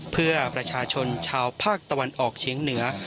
เพื่อประชาชนชาวภาคตะวันออกเฉียงเหนือ